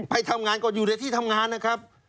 ไปทำงานก็อยู่ในที่ทำงานนะครับ